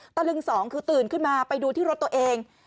ตะลึงสองคือตื่นขึ้นมาไปดูที่รถตัวเอง